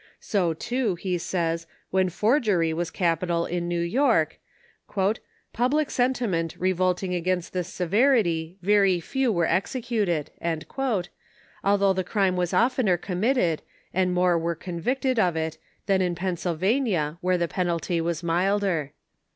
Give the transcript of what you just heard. So, too, he says, when foi^ry was capital in New York, " public senti ment revolting against this severity, very few were executed," al though the crime was odener committed, and more were convicted of it, than in Pennsylvania where the penalty was milder.